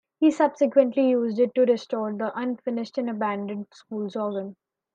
He subsequently used it to restore the unfinished and abandoned school's organ.